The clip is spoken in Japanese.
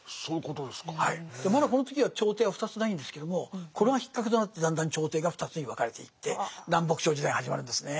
まだこの時は朝廷は２つないんですけどもこれがきっかけとなってだんだん朝廷が２つに分かれていって南北朝時代が始まるんですね。